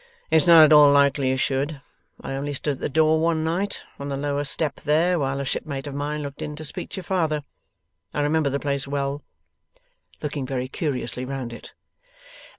'It's not at all likely you should. I only stood at the door, one night on the lower step there while a shipmate of mine looked in to speak to your father. I remember the place well.' Looking very curiously round it.